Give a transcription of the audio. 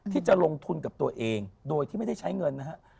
ที่จะลงทุนกับตัวเองโดยที่ไม่ได้ใช้เงินนะฮะ